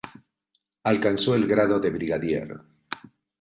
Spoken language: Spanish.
Alcanzó el grado de brigadier.